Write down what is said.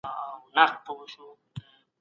ځوانان بايد د علم په ګاڼه سمبال سي.